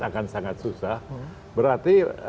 akan sangat susah berarti